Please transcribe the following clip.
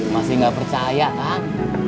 masih gak percaya kan